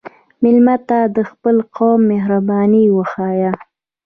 مېلمه ته د خپل قوم مهرباني وښیه.